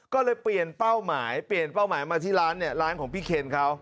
ก็เลยเปลี่ยนเป้าหมายเปลี่ยนเป้าหมายมาที่ร้านเนี่ยร้านของพี่เคนเขา